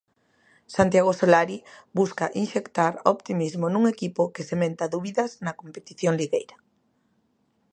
Santiago Solari busca inxectar optimismo nun equipo que sementa dúbidas na competición ligueira.